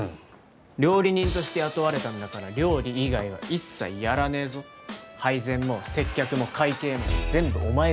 料理人として雇われたんだから料理以外は一切やらねえぞ。配膳も接客も会計も全部お前がやれ。